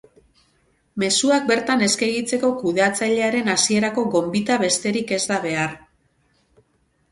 Mezuak bertan eskegitzeko kudeatzailearen hasierako gonbita besterik ez da behar.